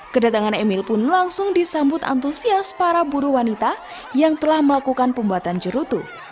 kedatangan emil pun langsung disambut antusias para buruh wanita yang telah melakukan pembuatan jerutu